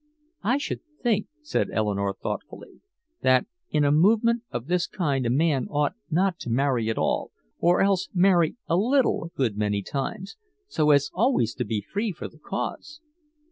"I should think," said Eleanore thoughtfully, "that in a movement of this kind a man ought not to marry at all or else marry a little a good many times so as always to be free for the Cause."